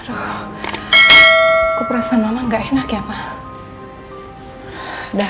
aduh aku merasa mama tidak enak ya pak